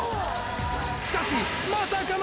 しかしまさかの。